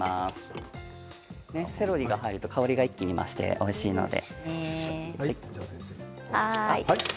セロリが入ると香りが一気に増しておいしいので。